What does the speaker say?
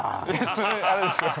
◆それ、あれですよ